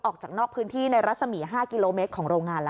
ออกจากนอกพื้นที่ในรัศมี๕กิโลเมตรของโรงงานแล้ว